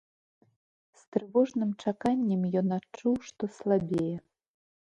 З трывожным чаканнем ён адчуў, што слабее.